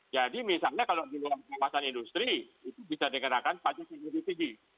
jadi misalnya kalau di luar kelepasan industri itu bisa dikenakan pajak yang lebih tinggi